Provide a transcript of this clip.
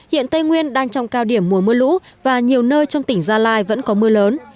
hiện tây nguyên đang trong cao điểm mùa mưa lũ và nhiều nơi trong tỉnh gia lai vẫn có mưa lớn